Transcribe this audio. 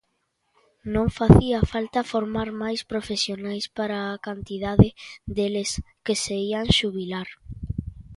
Non facía falta formar máis profesionais para a cantidade deles que se ían xubilar.